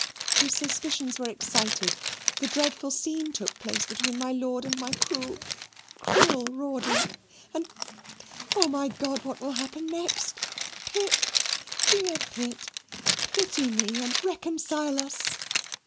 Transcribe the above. His suspicions were excited, the dreadful scene took place between my Lord and my cruel, cruel Rawdon and, O my God, what will happen next? Pitt, dear Pitt! pity me, and reconcile us!"